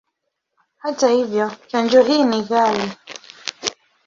Hata hivyo, chanjo hii ni ghali.